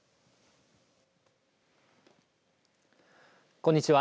こんにちは。